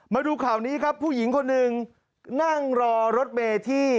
มาดูข่าวนี้ครับผู้หญิงคนหนึ่งนั่งรอรถเมย์ที่